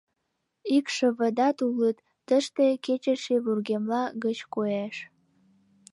Икшывыдат улыт, тыште кечыше вургемла гыч коеш.